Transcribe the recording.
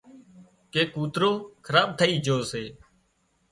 ڪي ڪوتروخراب ٿئي جھو سي